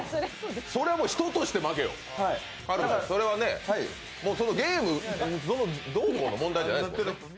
それは人として負けよ、それはね、ゲームどうこうの問題じゃないですもんね。